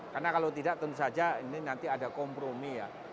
karena kalau tidak tentu saja ini nanti ada kompromi ya